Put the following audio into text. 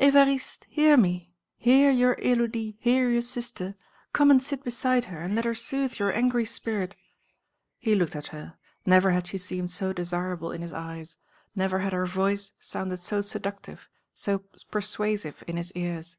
"Évariste, hear me; hear your Élodie; hear your sister. Come and sit beside her and let her soothe your angry spirit." He looked at her; never had she seemed so desirable in his eyes; never had her voice sounded so seductive, so persuasive in his ears.